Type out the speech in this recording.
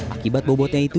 akibat bobotnya itu